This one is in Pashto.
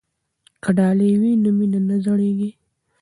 که ډالۍ وي نو مینه نه زړیږي.